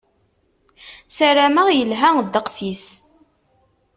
Sarameɣ yelha ddeqs-is.